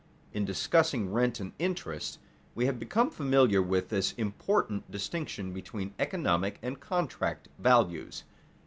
_ In discussing rent and interest, we have become familiar with this important distinction between economic and contract values.